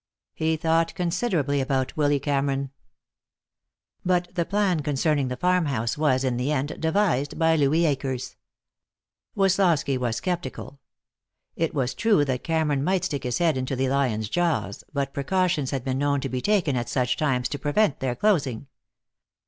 He thought considerably about Willy Cameron. But the plan concerning the farm house was, in the end, devised by Louis Akers. Woslosky was skeptical. It was true that Cameron might stick his head into the lion's jaws, but precautions had been known to be taken at such times to prevent their closing.